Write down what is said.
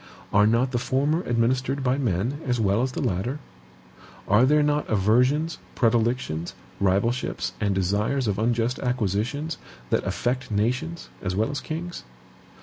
Are not the former administered by MEN as well as the latter? Are there not aversions, predilections, rivalships, and desires of unjust acquisitions, that affect nations as well as kings?